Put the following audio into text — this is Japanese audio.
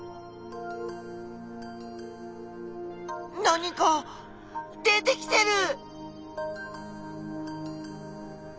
何か出てきてる！